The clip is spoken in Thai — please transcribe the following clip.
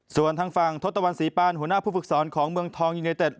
ส่วนทางฝั่งทศตวรรษีปานหัวหน้าผู้ฝึกสอนของเมืองทองยูเนเต็ด